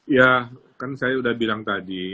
ya kan saya udah bilang tadi